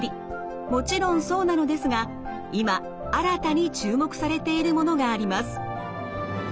もちろんそうなのですが今新たに注目されているものがあります。